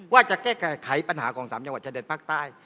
ว่าจะแก้ไขปัญหาของสามจังหวัดชะเด็ดภักดิ์ใต้